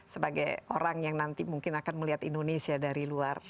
sebagai orang yang nanti mungkin akan melihat indonesia dari luar